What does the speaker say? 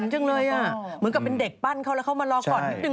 เหมือนกับเป็นเด็กปั้นเขาแล้วเข้ามารอกอดนิดนึง